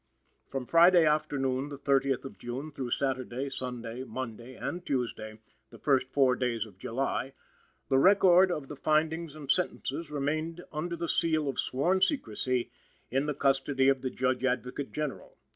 From Friday afternoon, the thirtieth of June, through Saturday, Sunday, Monday and Tuesday, the first four days of July, the record of the findings and sentences remained under the seal of sworn secrecy in the custody of the Judge Advocate General.